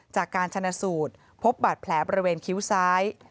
จากการชนะสูตรพบบาดแผลบริเวณคิ้วซ้าย